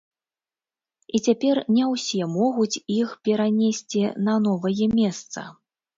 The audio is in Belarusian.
І цяпер не ўсе могуць іх перанесці на новае месца.